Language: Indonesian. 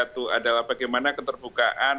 itu adalah bagaimana keterbukaan